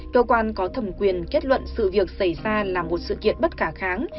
cơ quan có thẩm quyền kết luận sự việc xảy ra là một sự kiện bất khả kháng